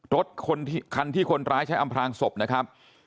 รถคันที่คนร้ายใช้อำพลางศพนะครับ